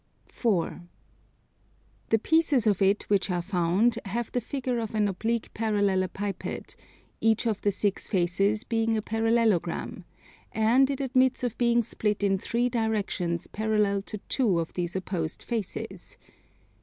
4. The pieces of it which are found have the figure of an oblique parallelepiped; each of the six faces being a parallelogram; and it admits of being split in three directions parallel to two of these opposed faces.